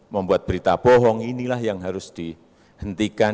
membuat berita bohong inilah yang harus dihentikan